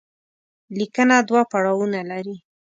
ليکنه دوه پړاوونه لري.